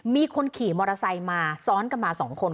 มีคนขี่มอเตอร์ไซค์มาซ้อนกันมา๒คน